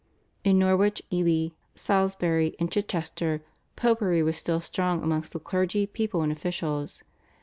In Norwich, Ely, Salisbury and Chichester "Popery" was still strong amongst the clergy, people, and officials.